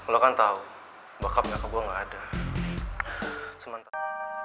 lo kan tau bakap nyokap gua gak ada